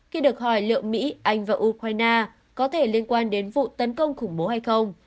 khi được hỏi liệu mỹ anh và ukraine có thể liên quan đến vụ tấn công khủng bố hay không